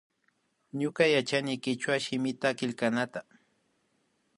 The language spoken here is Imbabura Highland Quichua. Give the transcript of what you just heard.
Ñuka yachani kichwa shimita killknata